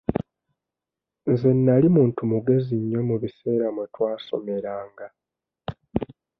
Nze nali muntu mugezi nnyo mu biseera mwe twasomeranga.